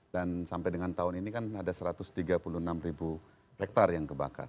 dan sampai dengan tahun ini kan ada satu ratus tiga puluh enam ribu hektare yang kebakar